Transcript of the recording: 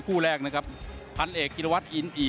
มคู่แรกนะครับพันเอกกิรวัส